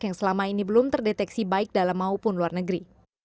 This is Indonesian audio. yang selama ini belum terdeteksi baik dalam maupun luar negeri